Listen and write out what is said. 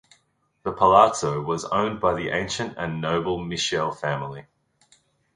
The palazzo was owned by the ancient and noble Michiel family.